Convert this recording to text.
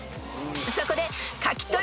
［そこで］